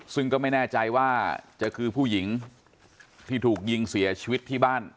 ซึ่งก็ไม่แน่ใจว่าจะคือผู้หญิงที่ถูกยิงเสียชีวิตที่บ้าน